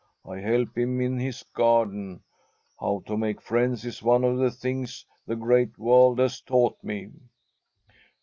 I help him in his garden. How to make friends is one of the things the Great World has taught me."